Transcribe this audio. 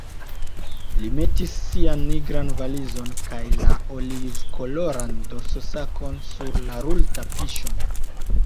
Li metis sian nigran valizon kaj la olivkoloran dorsosakon sur la rultapiŝon.